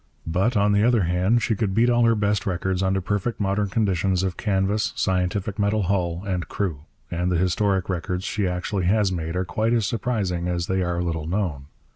But, on the other hand, she could beat all her best records under perfect modern conditions of canvas, scientific metal hull, and crew; and the historic records she actually has made are quite as surprising as they are little known.